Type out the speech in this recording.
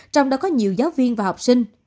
trong đó có nhiều giáo viên và học sinh